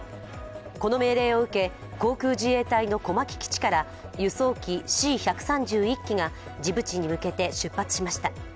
この命令を受け、航空自衛隊の小牧基地から輸送機Ｃ−１３０、１機がジブチに向けて出発しました。